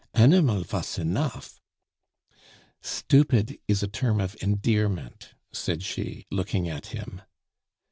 "Animal vas enough " "Stupid is a term of endearment," said she, looking at him.